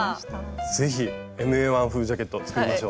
是非ＭＡ−１風ジャケット作りましょう。